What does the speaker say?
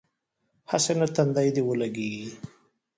هسې نه تندی دې ولګېږي.